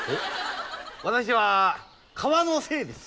私は川の精です。